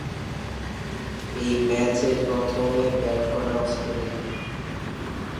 এই ম্যাচে প্রথমে ব্যাট করে অস্ট্রেলিয়া।